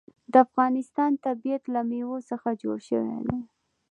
د افغانستان طبیعت له مېوې څخه جوړ شوی دی.